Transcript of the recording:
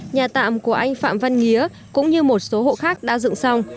nhà tạm của anh phạm văn nghía cũng như một số hộ khác đã được dựng